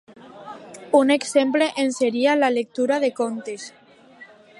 Un exemple en seria la lectura de contes.